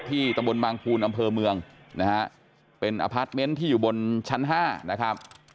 ตำบลบางภูนอำเภอเมืองนะฮะเป็นอพาร์ทเมนต์ที่อยู่บนชั้น๕นะครับ